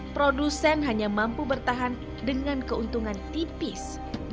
produsen hanya mampu bertahan dengan keuntungan tipis